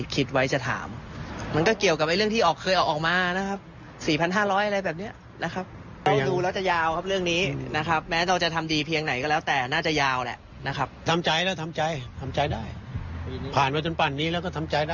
ธนายตั้มแม้เขาจะตอบว่าอย่างไรกันบ้างนะครับ